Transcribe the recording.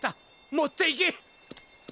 もっていけ。